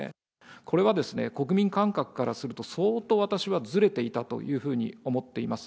これは国民感覚からすると、相当私はずれていたというふうに思っています。